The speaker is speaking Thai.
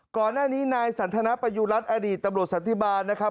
ก่อนหน้านี้นายสันทนประยุรัฐอดีตตำรวจสันติบาลนะครับ